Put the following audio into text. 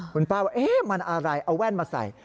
คุณป้าว่ามันอะไรเอาแว่นมาใส่